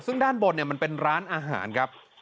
ซึ่งด้านบนมันเป็นร้านอาหารครับ